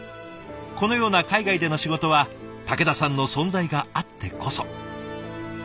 このような海外での仕事は武田さんの存在があってこそ。